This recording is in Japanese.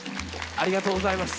ありがとうございます。